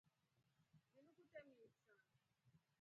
Linu kutee misa.